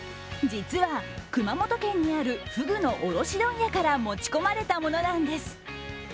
実は、熊本県にあるフグの卸問屋から持ち込まれたものなんです。